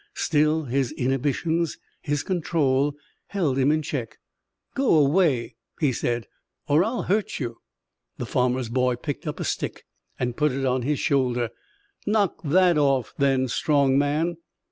Still, his inhibitions, his control, held him in check. "Go away," he said, "or I'll hurt you." The farmer's boy picked up a stick and put it on his shoulder. "Knock that off, then, strong man."